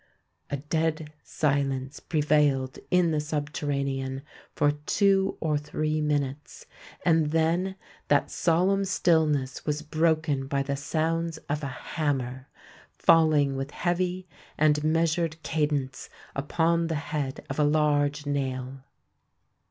A dead silence prevailed in the subterranean for two or three minutes; and then that solemn stillness was broken by the sounds of a hammer, falling with heavy and measured cadence upon the head of a large nail.